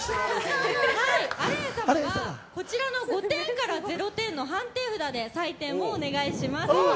アレン様にはこちらの５点から０点の判定札で採点をお願いします。